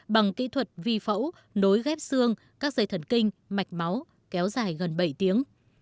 bằng kỹ thuật vi phẫu nối ghép xương các dây thần kinh mạch máu kéo dài gần bảy tiếng